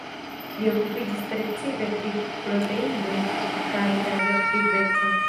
Li okupiĝis precipe pri proteinoj kaj radioaktiveco.